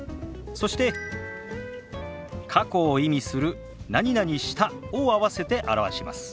そして過去を意味する「した」を合わせて表します。